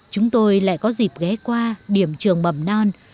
chúng tôi lại có dịp ghé qua điểm trường mầm non